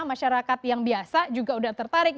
masyarakat yang biasa juga udah tertarik